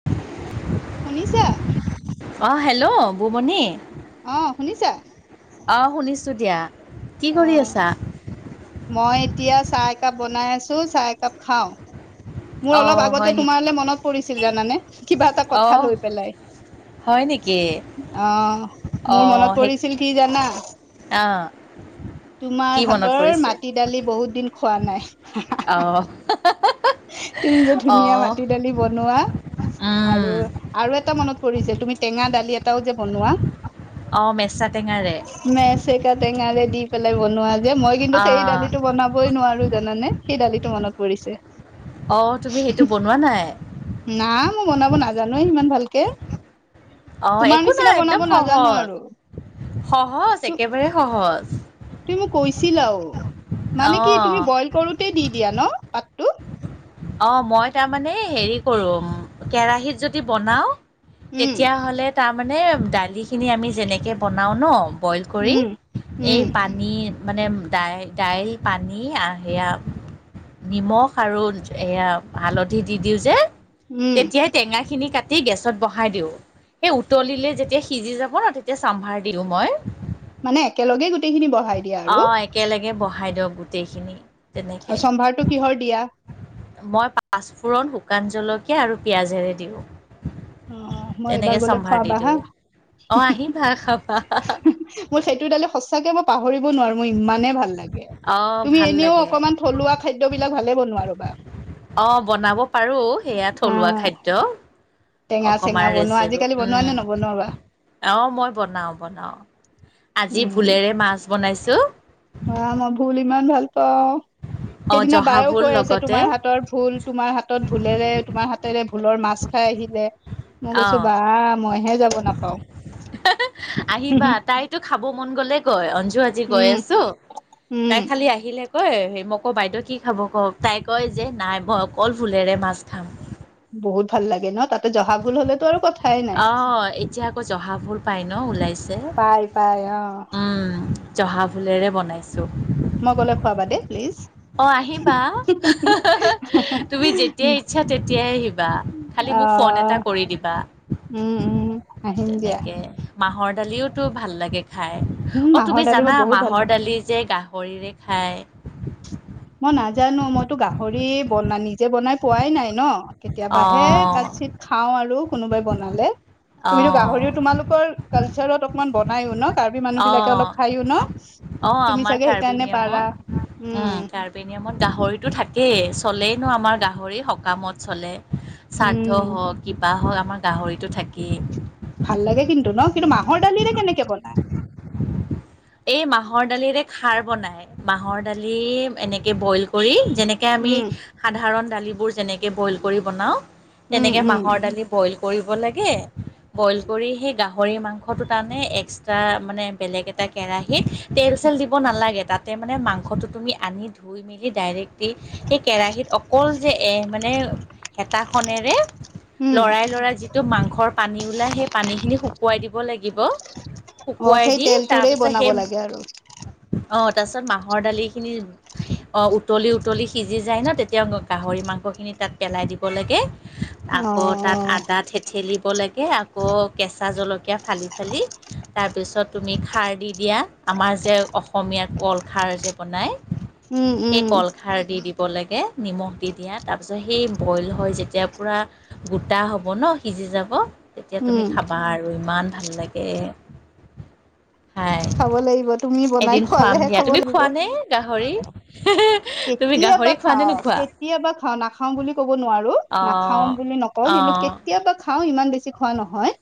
[inaudible] শুনিছা? অ', হেল্ল, বুমণি অ', শুনিছা? অ', শুনিছোঁ দিয়া। কি কৰি অ', আছা মই এতিয়া চাহ একাপ বনাই আছো। চাহ একাপ খাও। মোৰ অলপ অঁ আগতে হয় নেকি তোমাৰৈ মনত পৰিছিল জানানে? কিবা এটা কথা অঁ লৈ পেলাই। হয় নেকি? অ', মোৰ মনত পৰিছিল কি জানা? আহ', তোমাৰ হাতৰ মাটি দালি বহুত দিন খোৱা নাই। অ', তুমি যে ধুনীয়া মাটি দালি বনোৱা উম, আৰু আৰু এটা মনত পৰিছে। তুমি টেঙা দালি এটাও যে বনোৱা। অ', মেছাটঙা মেচেকা টেঙা দি পেলাই বনোৱা যে, মই কিন্তু সেই অঁ দালিটো বনাব বয় নোৱাৰো জানে সেই দালিতটো মনত পৰিছে। অ', তুমি সেইটো বনোৱা নাই? না মই বনাব নাজানো ইমান ভালকে অ', তোমাৰ একো নাই। নিচিনা বনাব একদম নাজানো সহজ আৰু সহজ একেবাৰে সহজ। তুমি মোক কৈছিলাও মানে কি অঁ তুমি বইল কৰোতে দি দিয়া ন পাতটো। অ মই তাৰমানে হেৰি কৰো কেৰাহিত যদি বনাও উম তেতিয়া হলে তাৰমানে দালি খিনি আমি যেনেকে বনাও ন বয়েল কৰি উম। এই উম পাত নিয়ে মানে দাই দাইল পানী আৰু সেয়া নিমখ আৰু এয়া হালধি দি দিওঁ যে উম তেতিয়াই টেঙা খিনি কাটি গেছত বহাই দিওঁ। সেই উতলিলে যেতিয়া সিজি যাব ন তেতিয়া চাম্ভাৰ দিয়ো মই। মানে একেলগে গোটেইখিনি বহাই দিয়া আৰু অঁ একেলগে বহাই দিয়ক গোটেইখিনি। তেনেকৈ আৰু চম্ভাৰটো কিহৰ দিয়া? মই পাঁচফোৰণ শুকান জলকীয়া আৰু পিঁয়াজেৰে দিওঁ। অ অ অ অ, মই এবাৰ গলে খোৱাবা হা। অ আহিবা খাবা হা হা। মোৰ সেইটো দালি সঁচাকে মই পাহৰিব নোৱাৰো মোৰ ইমানে ভাল লাগে অঁ তুমি ভাল এনেও লাগে অকমান থলুৱা খাদ্য বিলাক ভালে বনোৱা আৰু বা অ বনাব পাৰো সেয়া অ থলুৱা খাদ্য। টেঙা চেঙা অকমান বনোৱা ৰেচিপি আজিকালি বনোৱা উম নে উ নবনোৱা বা উ আহ মই বনাও বনাও। আজি ভোলেৰে মাছ বনাইছোঁ। অ আ মই ভুল ইমান ভাল পাও অ সেইদিনা জহা বায়েও ভোল কৈ আছে লগতে তোমাৰ হাতৰ ভোল তোমাৰ হাতত ভোলেৰে তোমাৰ হাতেৰে ভোলৰ মাছ খাই আহিলে। মই অ কৈছো বা আ আ আ মইহে যাব নাপাওঁ। হে হে, আহিবা তাইতো খাব মন গলে কয় অঞ্জু আজি গৈ উম আছো। উম তাই খালি তাই আহিলে কয় হে মই ক বাইদেউ কি খাব কক তাই কয় যে নাই মই অকল ভোলেৰে মাছ খাম। বহুত ভাল লাগে ন তাতে জহা ভোল হলেতো আৰু কথ আ অ অ এতিয়া আকৌ জহা ভোল পাই ন ওলাইছে পাই পাই অ উম উ উ উ। জহা ভোলেৰে বনাইছোঁ। মই গ'লে খোৱাবা দেই প্লিজ। অ আহিবা আহ হ হ হ ইহ্ তুমি যেতিয়াই ইচ্ছা তেতিয়াই আহিবা। খালি অ মোক ফোন এটা কৰি দিবা। উম উ উম। আহিম দিয়া তেনেকে। মাহৰ দালিওতো ভাল লাগে খাই। উম অঁ মাহৰ তুমি দালি মই জানা বহুত ভাল মাহৰ পাওঁ দালি যে গাহৰিৰে খাই। মই নাজানো মইতো গাহৰি বনা নিজে বনাই পোৱাই নাই ন। অ কেতিয়াবাহে তাত-চিত খাও আৰু কোনোবাই বনালে অ তুমিতো গাহৰিও তোমালোকৰ কালচাৰত অকমান বনাই উ ন। কাৰ্বি মানুহ অ বিলাকে অলপ খাইও ন সি ই অ ই তুমি আমাৰ চাগে সেইকাৰণে পাৰা উম উ উ। বেনিয়ামত গাহৰিতো থাকেই চলেই নো আমাৰ গাহৰি সকামত চলে। শ্ৰাদ্ধ উম হওক কিবা হওক আমাৰ গাহৰিটো থাকেই। ভাল লাগে কিন্তু ন। কিন্তু মাহৰ দালিৰে কেনেকে বনায়? হুম হুম হু। এই মাহৰ দালিৰে খাৰ বনাই মাহৰ দালি ই ই ই এনেকে বইল কৰি উমহ। যেনেকে আমি ই উম হা হা সাধাৰণ দালিবোৰ যেনেকে বইল কৰি বনাওঁ উম তেনেকে উম মাহৰ দালি বইল কৰিব লাগে ঢুঢু ঢু বইল কৰি সেই গাহৰি মাংসটো তাৰমানে এক্সট্ৰা মানে বেলেগ এটা কেৰাহিত তেল চেল দিব নালাগে তাত- তে মাংসটো তুমি আনি ধুই মেলি ডাইৰেক্ট- সেই কেৰাহীত অকল যে এ মানে হেতাখনেৰে- উম লৰাই লৰাই যিটো মাংসৰ পানী ওলাই সেই পানীখিনি শুকুৱাই দিব লাগিব। অ শুকুৱাই সেই দি তাৰ তেলটোৰেই পিছত বনাব লাগে আৰু সেই অঁ তাৰপিছত মাহৰ দালি খিনি- অঁ, উতলি উতলি সিজি যায় ন তেতিয়া গাহৰি মাংসখিনি তাত পেলাই দিব লাগে। অ আকৌ তাত আদা থেত- ঠেলিব লাগে আকৌ কেঁচা জলকীয়া ফালি ফালি- তাৰপিছত তুমি খাৰ দি দিয়া আমাৰ যে অসমীয়া কল খাৰ যে বনায়- উম উম সেই কল- খাৰ দি দিব লাগে নিমখ দি দিয়া তাৰপিছত সেই বইল হয় যেতিয়া পূৰা- গোটা হ'ব ন সিজি যাব, তেতিয়া উম তুমি খাবা আৰু ইমান ভাল লাগে। খাই খাব লাগিব তুমি বনাই এদিন খুৱাম খোৱালেহে দিয়া, খাব তুমি লাগিব খোৱ নে গাহৰি? তুমি কেতিয়াবা গাহৰি খোৱা নে খাওঁ নোখোৱা? কেতিয়াবা খাওঁ নাখাওঁ বুলি ক'ব নোৱাৰো নাখাওঁ অ', বুলি নকওঁ, কিন্তু- অ', কেতিয়াবা খাওঁ ইমান বেছি খোৱা নহয়।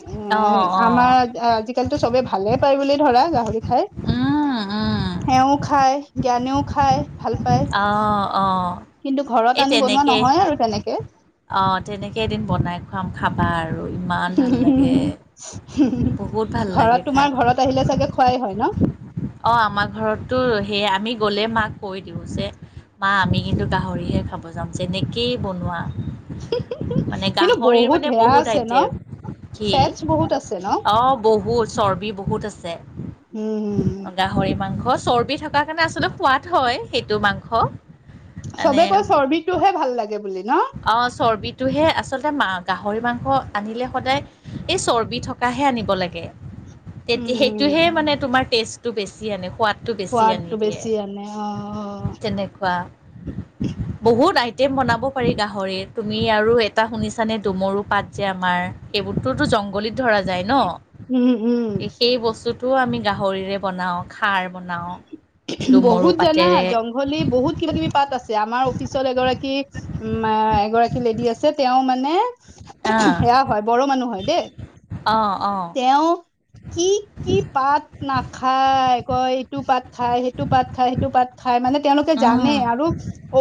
এ অ', অ', আমাৰ আজিকালিতো চবে ভালে পায় বুলি ধৰা গাহৰি খাই। উম উম' এওঁ খায়, জ্ঞানেও খায়। ভাল পাই অ', অ', কিন্তু ঘৰত আনি বনোৱা নহয় আৰু তেনেকে। অঁ তেনেকেই এদিন বনাই- খুৱাম খাবা আৰু ইমান ভাল লাগে বহুত ভাল- ঘৰত তোমাৰ ঘৰত আহিলে চাগে খোৱাই হয় ন। অঁ' আমাৰ ঘৰতটো সেয়াই আমি গ'লে মাক- কৈ দিওঁ যে, মাঁ আমি কিন্তু গাহৰিহে খাব যাম যেনেকেই বনোৱা। মানে কিন্তু গাহৰিৰ মানে সেয়া বহুত আছে ন আইটেম। কি? ফেটছ বহুত আছে ন অঁ, বহুত চৰ্বি- বহুত আছে। উম গাহৰি মাংস চৰ্বি থকাৰ কাৰণে আচলতে সোৱাদ- হয় সেইটো মাংস। মানে চবে কয় চৰ্বিটোহে ভাল লাগে বুলি ন। অঁ' চৰ্বিটোহে আচলতে গাহৰি মাংস আনিলে সদায়- এই চৰ্বি থকাহে আনিব লাগে। তেতিয়া উম সেইটোহে মানে তোমাৰ টেষ্টটো বেছি আনে সোৱাদ- টো বেছি আনি সোৱাদটো দিয়ে বেছি আনে অ অ', তেনেকুৱা। বহুত আইটেম বনাব- পাৰি গাহৰিৰ তুমি আৰু এটা শুনিছানে দুমৰু পাত যে আমাৰ, সেইবোৰ- তোৰতো জংগলীত ধৰা যায় ন। হুম উম' এই বস্তুটোও আমি গাহৰিৰে বনাওঁ খাৰ বনাওঁ দুমৰু পাতেৰে। হলি বহুত কিবা কিবি পাত আছে আমাৰ অফিচত এগৰাকী- মা এগৰাকী লেডি আছে তেওঁ মানে- অঁ সেয়া হয় বড়ো মানুহ হয় দেই। অঁ অঁ তেওঁ- কি কি পাত নাখায়। কয় এইটো পাত খাই সেইটো পাত খায় সেইটো পাত- খাই। মানে তেওঁলোকে জানে উম, আৰু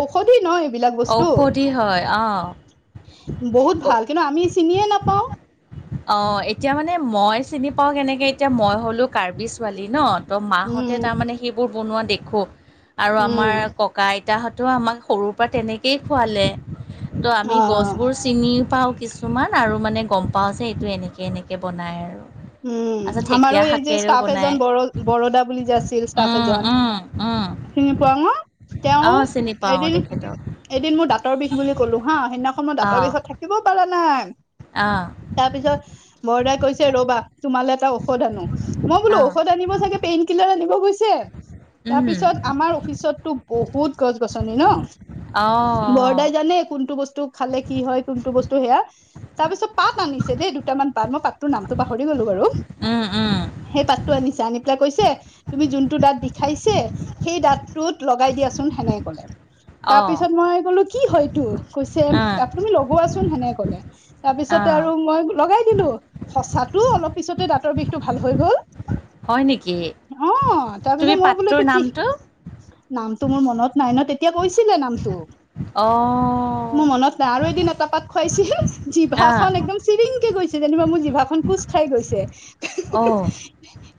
ঔষধি ন এইবিলাক বস্তু। ঔষধি হয় অ'। বহুত ভাল। কিন্তু, আমি চিনিয়ে নাপাওঁ। অঁ, এতিয়া মানে মই চিনি পাওঁ কেনেকে, এতিয়া মই হলো কাৰ্বি- ছোৱালী ন ত মাহতে উম তাৰমানে সেইবোৰ বনুৱা দেখোঁ আৰু উম আমাৰ ক কা আইতাহঁতেও আমাক সৰুৰ পৰা তেনেকেই খুৱালে ত' অ আমি গছবোৰ চিনিও পাওঁ কিছুমান আৰু মানে গম পাওঁ যে এইটো এনেকে এনেকে বনায় উম আৰু আচ্ছা আমাৰো ঢেকীয়া এই যে শাকেৰেও ষ্টাফ বনাই। এজন ব বৰদা বুলি যে আছিল ষ্টাফ উম, এজন উম, উম চিনি পোৱা নে তেওঁ অ', চিনি পাওঁ এদিন তেখেতক। এদিন মোৰ দাঁতৰ বিষ বুলি ক'লো হা সেইদিনাখন মোৰ দাঁতৰ অ', বিষত থাক কিব পাৰা নাই অ', তাৰপিছত বৰদাই কৈছে ৰবা তোমালে এটা ঔষধ আনো মই বোলো অ', ঔষধ আনিব চাগে পেইন কিলাৰ আনিব গৈছ উম, তাৰপিছত আমাৰ অফিচতটো বহুত গছ গছনি ন অ', অ', বৰাদাই জানে কোনটো বস্তু খালে কি হয় কোনটো বস্তু সেয়া তাৰপিছত পাত আনিছে দেই দুটামান পাত মই পাতটোৰ নামটো পা পাহৰি গলো বাৰু উম, উম। সেই পাতটো আনিছে আনি পেলাই কৈছে তুমি যোনটো দাঁত বিখাইছে সেই দাঁতটোত লগাই দিয়াচোন সেনেকে কলে। অ', তাৰপিছত মই ক'লো কি হয় এইটো? অ', কৈছে তুমি লগোৱাচোন হেনেকে কলে। তাৰ পিছতে অ', আৰু মই লগাই দিলো সচাত তো অলপ পিছতে দাঁতৰ বিষটো ভাল হৈ গ'ল। হয় নেকি? অ তুমি তাৰপিছত মই বোলো পাত্ৰটোৰ এইটো কি? নামটো? নামটো মোৰ মনত নাই ন তে তেওঁ কৈছিলে নামটোক। অ মোৰ মনত নাই। আৰু এদিন এটা পাক খুৱাইছিল আহ, জিভাখন একদম চিৰিংকে গৈছে যেনিবা মোৰ জিভা খন খোচ খাই গৈছে অ',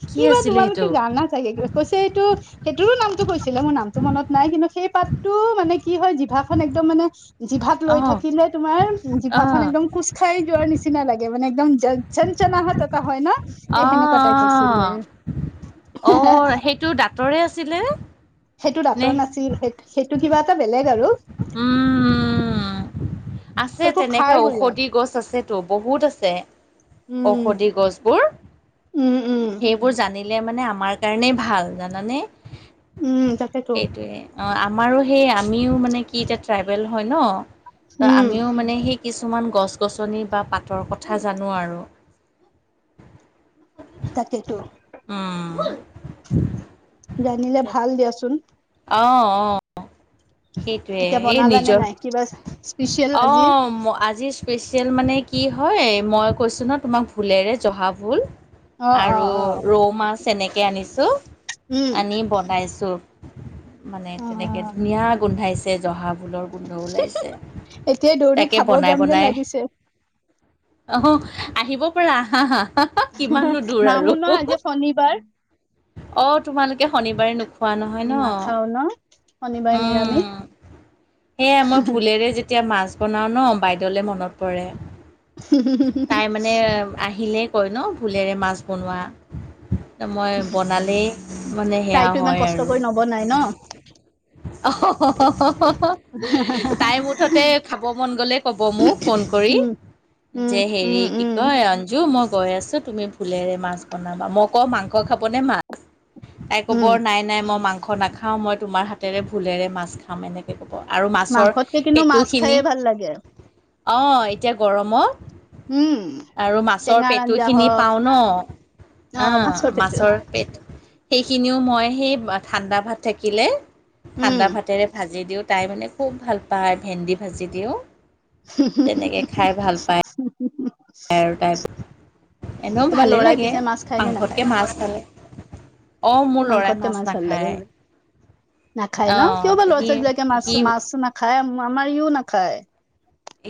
কি কিবা আছিলে সেইটো? তোমালোকে জানা চাগে কৈছে এইটো সেইটোৰো নামটো কৈছিলে। মোৰ নামটো মনত নাই কিন্তু সেই পাতটো মানে কি হয় জিভাখন একদম মানে জিভাত লৈ অ', থাকিলে তোমাৰ জিভা খন অ', অ', একদম কোচ খাই যোৱাৰ নিচিনা লাগে মানে একদম যা চঞ্চনাহত এটা হয় ন হে সেনেকুৱা তাইপ হৈছিলে। অ', অ সেইটো দাঁতৰে আছিলে সেইটো নে? দাঁতৰ নাছিল সেই সেইটো কিবা এটা বেলেগ আৰু উম আছে সেইটো তেনেকে খাৰ বুলিয় ঔষধি গছ আছে বহুত আছে উম সদী গছবোৰ উম উম সেইবোৰ জানি মানে আমাৰ কাৰণেই ভাল জানানে উম তাকেতো সেইটোৱে। অ আমাৰো সেই আমিও মানে কি এতিয়া ট্ৰাইবেল হয় ন ত উম আমিও মানে সেই কিছুমান গছ গছনি বা পাতৰ কথা জানো আৰু। তাকে টো উম জানিলে ভাল দিয়াচোন। অ অ সেইটোয়ে এতিয়া এই বনালানে নিজৰ নাই কিবা স্পেচিয়েল আজি অ আজি স্পেচিয়েল মানে কি হয়। মই কৈছোঁ ন তোমাক ভুলেৰে জহা ভুল অ অ আৰু অ ৰৌ মাছ এনেকে আনিছোঁ উম আনি বনাইছোঁ। মানে অ তেনেকে ধুনীয়া গোন্ধাইছে। জহা ভুলৰ গোন্ধ ওলাইছে এতিয়াই দৌৰি তাকে খাব বনাই যাম যেন বনাই লাগিছে আহিব পাৰা আহা কিমাননো দূৰ নাহো ন আৰু? আজি শনিবাৰ অ', তোমালোকে শনিবাৰে নোখোৱা নহয় ন, শনিবাৰে উম। নিৰামিষ উম, সেয়াই মই ভুলেৰে যেতিয়া মাছ বনাও ন বাইদেউলে মনত পৰে। তাই মানে আহিলেই কয় ন, ভুলেৰে মাছ বনোৱা। মই বনালেই মানে, সেয়া তাইতো ইমান হয় কষ্ট আৰু। কৰি নবনাই ন [unintelligible] তাই মুঠতে খাব মন গ'লে ক'ব মোক, ফোন কৰি। উম উম যে, হেৰি উম কি উম কয়। অঞ্জু মই গৈ আছো তুমি ভুলৰে মাছ বনাবা, মই কওঁ মাংস খাবনে মাছ? তাই ক'ব উম নাই, নাই মই মাংস নাখাওঁ মই তোমাৰ হাতেৰে ভুলেৰে মাছ খাম, এনেক কে ক'ব, আৰু মাছৰ মাংসতকে কিন্তু মাছ পেটুখিনি। খায়ে ভাল লাগে অ', এতিয়া গৰমত। উম আৰু মাছৰ টেঙাৰ পেটু আঞ্জা খিনি হওক পাও ন, অ', মাছৰ। পেট, সেইখিনিও মই সেই ঠাণ্ডা ভাত থাকিলে, উম ঠাণ্ডা ভাত ভাতেৰে ভাজি দিওঁ, তাই মানে খুব ভাল পায়, ভেন্দি ভাজি দিওঁ, তেনেকে খ খাই ভাল পায়। খাই আৰু তাই, এনেও তোমাৰ ভালেই লৰাই লাগে, পিছে মাছ খায় নে নাখায় মাংসতকে, মাছ ভাল। অ', মোৰ ল'ৰাই মাংসতকে মাছ ভাল লাগে নাখায়। নাখায় ন, অঁ কিয় বা সি ল'ৰা-ছোৱালী বিলাকে মাছ, সি মাছ নাখায়, আমাৰ ইও নাখায়।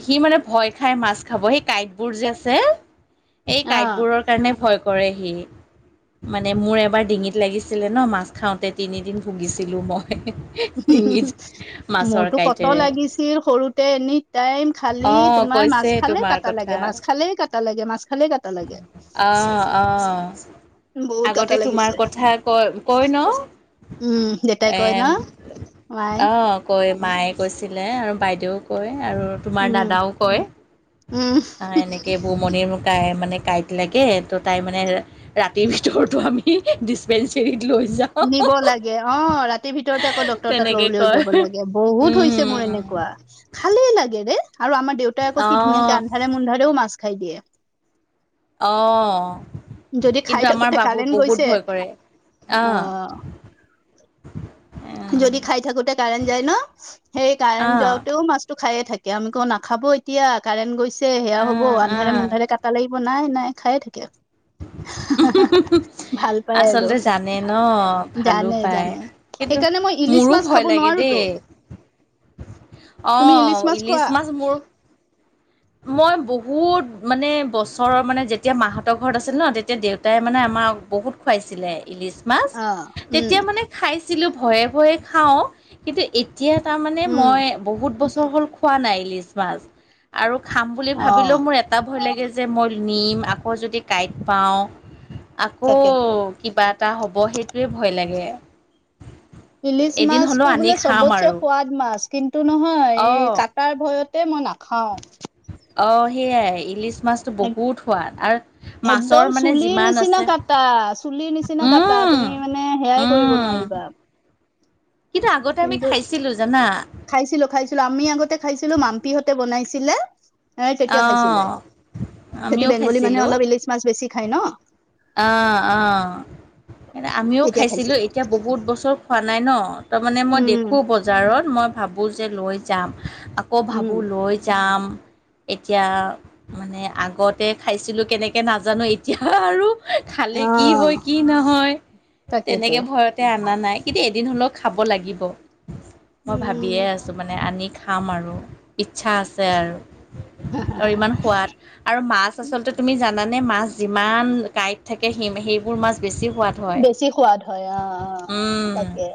সি মানে ভয় খাই মাছ খাব, সেই কাঁটবোৰ যে আছে এই কাঁটবোৰৰ সেইকাৰণে ভয় কৰে সি। মানে মোৰ এবাৰ ডিঙিত লাগিছিলে ন, মাছ খাওঁতে তিনিদিন ভুগিছিলো মই। অ ডিঙিত মাছৰ কাঁইটৰে। সি সৰুতে এনি টাইম খালি, অ' তোমাৰ মাছ কৈছে খালে তোমাৰ কটা, লাগে কথা মাছ খালে কটা লাগে। কাটা লাগে, মাছ খালে কাট অ', অ'। বহুত কাটা আগতে তোমাৰ লাগিছে কথা কয়, কয় ন উম, দেউতাই এ কয় ন মাই অ', কয় মায়ে কৈছিলে, আৰু বাইদেউও কয়, আৰু তোমাৰ উম দাদাও কয়, উম অ', এনেকে বুমণিৰ ককায়েক। মানে কাঁইট লাগে, তো তাই মানে ৰাতিৰ ভিতৰতো আমি ডিচপেঞ্চেৰীত লৈ যাম। নিব লাগে অ', ৰাতিৰ ভিতৰতে আকৌ ডক্টৰ তাত ল তেনেকে লৈ কয় যাব লাগে, বহুত হৈছে মোৰ উম এনেকা। কোৱা, খালেই লাগে ৰে, আৰু আমাৰ দেউতাই আকৌ কি অঁ ধুনীয়াকে আন্ধাৰে-মুন্ধাৰেও মাছ খাই দিয়ে। অ'। যদি খাই কিন্তু, আমাৰ থাকোতে বাবু কাৰেণ্ট গৈছে বহুত ভয় কৰে, অ'। যদি খাই থাকোতে কাৰেণ্ট যায় ন, সেই কাৰেণ্ট অঁ যওঁতেও মাছ খাই থাকে, আমি কওঁ নাখাব এতিয়া কাৰেণ্ট গৈছে সেয়া হ'ব অঁ অঁ আন্ধাৰে-মুন্ধাৰে কাট। টা লাগিব নাই, নাই খায়ে থাকে। ভাল পায় আৰু আচলতে জানে ন, ভালো জানে পায়। জানে কিন্তু, সেইকাৰণে মই ইলিচ মোৰো মাছ ভয় খাব লাগে নোৱাৰোতো দেই। অ', ইলিচ মাছ মোৰ মই বহুত মানে বছৰৰ মানে, যেতিয়া মাহঁতৰ ঘৰত আছিল ন তেতিয়া দেউতাই মানে আমাক বহুত খুৱাইছিলে ইলিচ মাছ, অ উম তেতিয়া মানে খাইছিলোঁ ভয়ে, ভয়ে খাওঁ কিন্তু, এতিয়া তাৰমানে মই উম বহুত বছৰ হ'ল খোৱা নাই ইলিছ মাছ, আৰু খাম বুলি অ ভাবিলেও মোৰ এ এটা ভয় লাগে যে, মই নিম আকৌ যদি কাঁইট পাওঁ আকৌ তাকেতো কিবা এটা হ'ব সেইটোৱে ভয় লাগে। ইলিচ এদিন মাছ হ'লেও টো আনি বোলে খাম চবত চাই আৰু সোৱাদ। মাছ কিন্তু নহয় এই অঁ কটাৰ ভয়তে মই নাখাও। অ সেইয়াই ইলিচ মাছ। তো এক বহুত সোৱাদ আৰ একদম মাছৰ মানে চুলিৰ যিমান নিচিনা আছে। কাটা চুলিৰ নিচিনা কাটা উম তুমি মানে সেয়াই কৰিব উম নোৱাৰিবা। কিন্তু আগতে আমি কিন্তু খাইছিলো জানা। খাইছিলো খাইছিলো আমি আগতে খাইছিলো মাম্পিহঁতে বনাইছিলে। এ অ তেতিয়া খাইছিলো। সিহঁতি আমিও বেংগলী মানুহে খাইছিলো অলপ ইলিচ মাছ বেছি খায় ন। অ অ আমিও খাইছিলো এতিয়া বহুত বছৰ খোৱা নাই ন তাৰ মানে মই উম দেখো ব। জাৰত মই ভাবোঁ যে লৈ যাম আকৌ ভাবোঁ উম লৈ যাম। এতিয়া মানে আগতে খাইছিলোঁ কেনেকৈ নাজানো এতিয়া আৰু। অ খালে কি হয় কি নহয় তাকেতো তেনেকে ভয়। তে আনা নাই কিন্তু এদিন হলেও খাব লাগিব মই ভা। ইয়ে উম আছোঁ মানে আনি খাম আৰু ইচ্ছা আছে আৰু আৰু ইমান সোৱাদ। আৰু মাছ আচলতে তুমি জানানে মাছ যিমান কাঁইট থাকে সে সেইবোৰ মাছ বেছি সোৱাদ। হয় বেছি সোৱাদ হয় অ অ উম। তাকে।